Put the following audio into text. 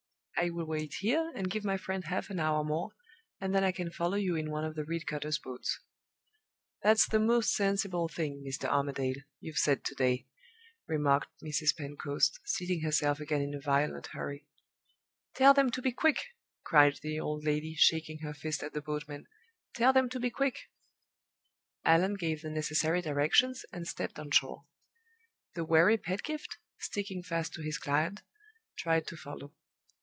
I will wait here, and give my friend half an hour more, and then I can follow you in one of the reed cutters' boats." "That's the most sensible thing, Mr. Armadale, you've said to day," remarked Mrs. Pentecost, seating herself again in a violent hurry "Tell them to be quick!" cried the old lady, shaking her fist at the boatmen. "Tell them to be quick!" Allan gave the necessary directions, and stepped on shore. The wary Pedgift (sticking fast to his client) tried to follow.